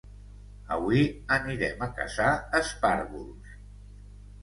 Avui anirem a caçar espàrvols